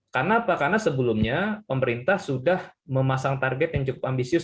karena apa karena sebelumnya pemerintah sudah memasang target yang cukup ambisius